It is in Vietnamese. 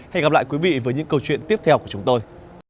hẹn gặp lại quý vị với những câu chuyện tiếp theo của chúng tôi